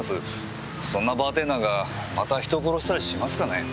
そんなバーテンダーがまた人を殺したりしますかね？